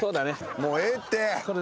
もうええって！